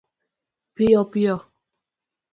piyo piyo